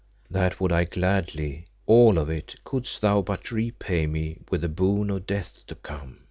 "That would I gladly, all of it, couldst thou but repay me with the boon of death to come.